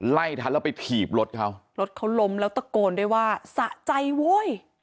ไล่ทันแล้วไปถีบรถเขารถเขาล้มแล้วตะโกนด้วยว่าสะใจโว้ย